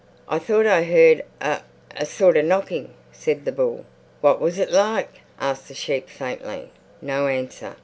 "I thought I heard a—a sort of knocking," said the bull. "What was it like?" asked the sheep faintly. No answer.